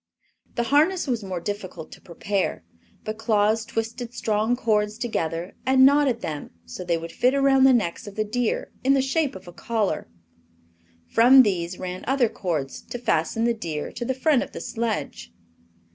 The harness was more difficult to prepare, but Claus twisted strong cords together and knotted them so they would fit around the necks of the deer, in the shape of a collar. From these ran other cords to fasten the deer to the front of the sledge.